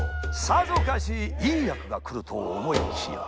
さぞかしいい役がくると思いきや。